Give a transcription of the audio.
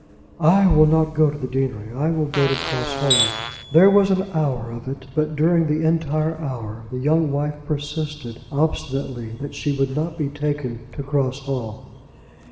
"I will not go to the deanery. I will go to Cross Hall." There was an hour of it, but during the entire hour, the young wife persisted obstinately that she would not be taken to Cross Hall.